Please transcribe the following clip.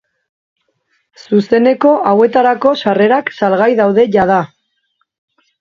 Zuzeneko hauetarako sarrerak salgai daude jada.